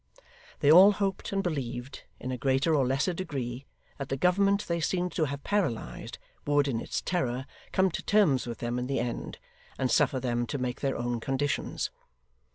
They all hoped and believed, in a greater or less degree, that the government they seemed to have paralysed, would, in its terror, come to terms with them in the end, and suffer them to make their own conditions.